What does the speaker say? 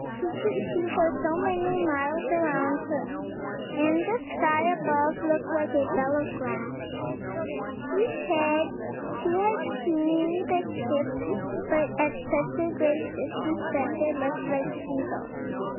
She could see for so many miles around her, and the sky above looked like a bell of glass. She had seen the ships, but at such a great distance that they looked like sea gulls.